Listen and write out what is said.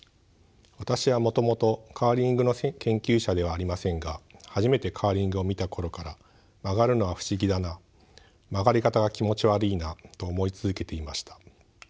私はもともとカーリングの研究者ではありませんが初めてカーリングを見た頃から曲がるのは不思議だな曲がり方が気持ち悪いなと思い続けていました。